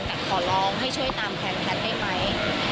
แต่ขอร้องให้ช่วยตามแฟนแพทย์ได้ไหม